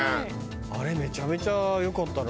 あれめちゃめちゃ良かったな。